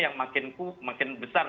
yang makin kuat makin besar